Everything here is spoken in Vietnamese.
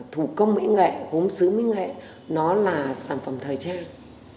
thủ công mỹ nghệ hốm xứ mỹ nghệ nó là sản phẩm thời trang